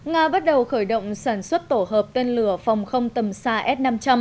nga bắt đầu khởi động sản xuất tổ hợp tên lửa phòng không tầm xa s năm trăm linh